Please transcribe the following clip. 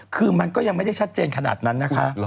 คือมันก็ยังไม่ได้ชัดเจนขนาดนั้นนะคะ